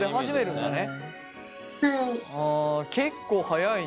はい。